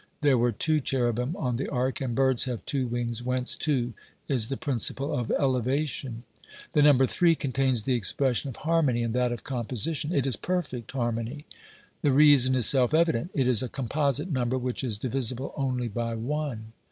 There were two cherubim on the ark, and birds have two wings, whence two is the principle of elevation. The number Three contains the expression of harmony and that of composition 3 it is perfect harmony. The 200 OBERMANN reason is self evident ; it is a composite number which is divisible only by one.